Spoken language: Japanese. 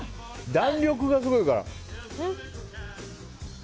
弾力がすごいから。